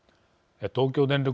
東京電力